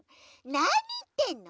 なにいってんの？